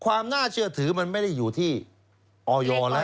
ความน่าเชื่อถือมันไม่ได้อยู่ที่ออยแล้ว